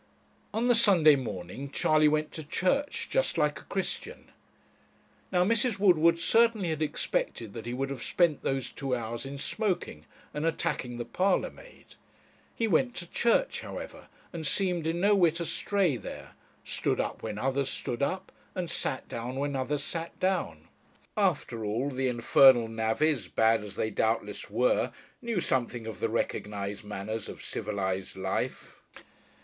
On the Sunday morning, Charley went to church, just like a Christian. Now Mrs. Woodward certainly had expected that he would have spent those two hours in smoking and attacking the parlour maid. He went to church, however, and seemed in no whit astray there; stood up when others stood up, and sat down when others sat down. After all, the infernal navvies, bad as they doubtless were, knew something of the recognized manners of civilized life.